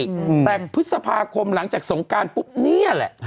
อืมแต่พฤษภาคมหลังจากสงการปุ๊บเนี่ยแหละ